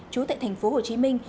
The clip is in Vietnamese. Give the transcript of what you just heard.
chú tại thành phố hồ chí minh